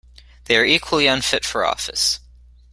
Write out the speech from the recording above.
They are equally unfit for office